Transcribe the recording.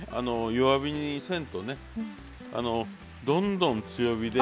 弱火にせんとねどんどん強火で。